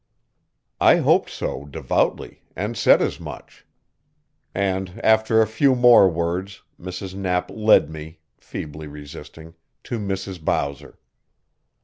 I hoped so devoutly, and said as much. And after a few more words, Mrs. Knapp led me, feebly resisting, to Mrs. Bowser.